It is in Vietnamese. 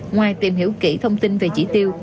ngoài tìm hiểu kỹ thông tin về chỉ tiêu